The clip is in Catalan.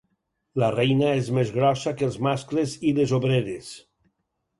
La reina és més grossa que els mascles i les obreres.